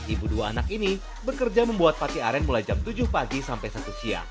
ibu dua anak ini bekerja membuat pate aren mulai jam tujuh pagi sampai satu siang